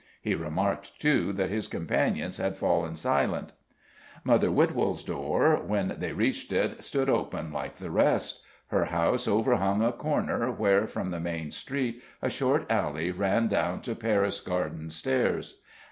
He remarked, too, that his companions had fallen silent. Mother Witwold's door, when they reached it, stood open like the rest. Her house overhung a corner where from the main street a short alley ran down to Paris Garden stairs.